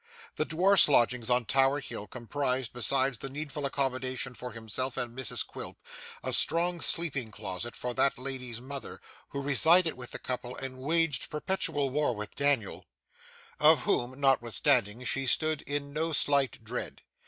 The dwarf's lodging on Tower hill comprised, besides the needful accommodation for himself and Mrs Quilp, a small sleeping closet for that lady's mother, who resided with the couple and waged perpetual war with Daniel; of whom, notwithstanding, she stood in no slight dread.